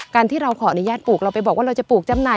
การที่เราขออนุญาตปลูกเราไปบอกว่าเราจะปลูกจำหน่า